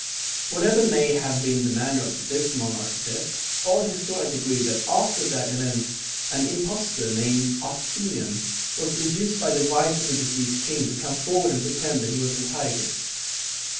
Whatever may have been the manner of this monarch's death, all historians agree that after that event an impostor named Artemion was induced by the wife of the deceased king to come forward and pretend that he was Antiochus.